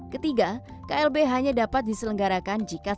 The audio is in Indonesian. ketiga klb hanya dapat diselenggarakan jika setelah perjanjian